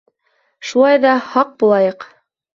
— Шулай ҙа, һаҡ булайыҡ.